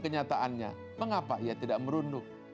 kenyataannya mengapa ia tidak merunduk